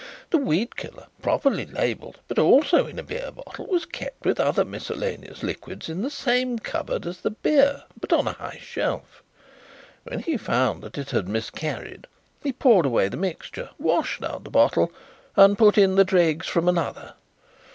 The weed killer, properly labelled, but also in a beer bottle, was kept with other miscellaneous liquids in the same cupboard as the beer but on a high shelf. When he found that it had miscarried he poured away the mixture, washed out the bottle and put in the dregs from another.